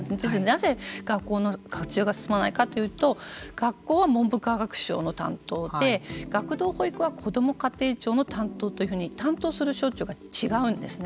なぜ学校の活用が進まないかというと学校は文部科学省の担当で学童保育はこども家庭庁の担当というふうに担当する省庁が違うんですね。